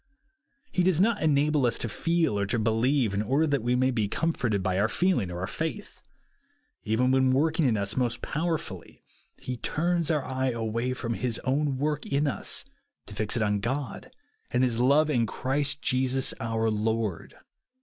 He does not enable us to feel or to believe, in order that we may be comforted by our feeling or our faith. Even when working in us most powerfully he turns our eye away from his own work in us, to fix it on God, and his love in Christ Jesus our Lord.